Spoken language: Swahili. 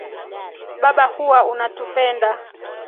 Baba huwa unatupenda.